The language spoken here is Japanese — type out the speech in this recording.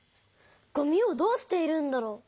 ごみをどうしているんだろう？